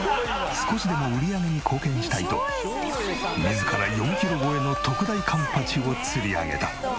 少しでも売り上げに貢献したいと自ら４キロ超えの特大カンパチを釣り上げた。